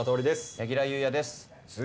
柳楽優弥です。